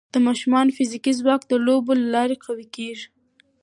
د ماشومانو فزیکي ځواک د لوبو له لارې قوي کېږي.